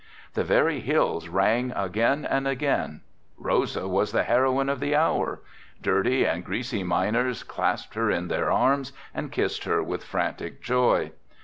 The very hills rang again and again. Rosa was the heroine of the hour. Dirty and greasy miners clasped her in their arms and kissed her with frantic joy.